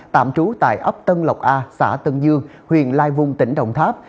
tạm trú tại ấp tân lộc a xã tân dương huyện lai vung tỉnh đồng tháp